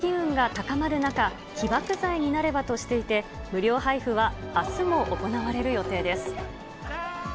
Ｐｅａｃｈは、旅行機運が高まる中、起爆剤になればとしていて、無料配布はあすも行われる予定です。